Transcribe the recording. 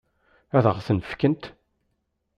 Ad ɣ-tent-fken?